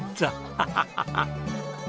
ハハハハ！